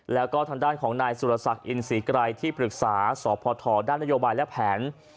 แล้วก็ทางด้านของนายสุรศักดิ์อินศรีไกรที่ปรึกษาสพด้านนโยบายและแผน